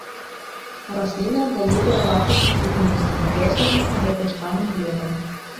Расліна аддае перавагу сухім месцам, лёсавым або пясчаным глебам.